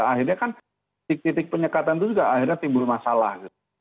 akhirnya kan titik titik penyekatan itu juga akhirnya timbul masalah